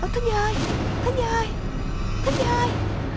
ท่านยายท่านยายท่านยาย